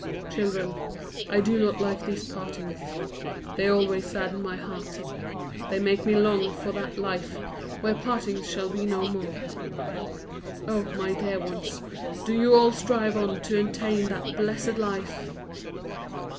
"Children, I do not like these partings. They always sadden my heart. They make me long for that life where partings shall be no more. Oh, my dear ones, do you all strive on to attain to that blessed life!